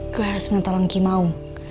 gue harus minta tolong ki mau